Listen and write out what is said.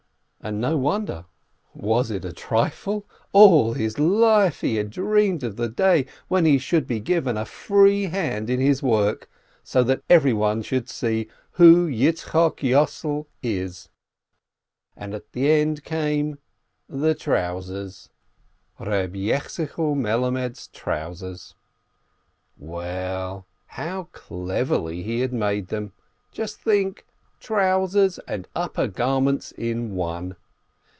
And no wonder: Was it a trifle? All his life he had dreamed of the day when he should be given a free hand in his work, so that everyone should see who Yitzchok Yossel is, arid at the end came — the trousers, Eeb Yecheskel Melammed's trousers! How well, how cleverly he had made them ! Just think : trousers and upper garment in one!